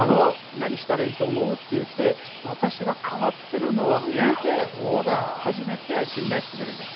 何したらいいと思うって言って私が変わってるのを見て初めて信頼してくれるんじゃない？